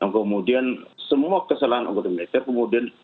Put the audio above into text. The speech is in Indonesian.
kemudian semua kesalahan anggota militer kemudian